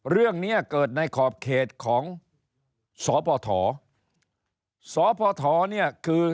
เรื่องเนี้ยเกิดในขอบเขตของสพเนี่ยคือ